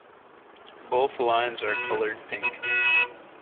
Both lines are colored pink.